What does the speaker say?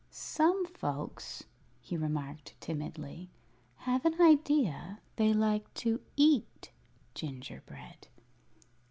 "Some folks," he remarked, timidly, "have an idea they like to eat gingerbread."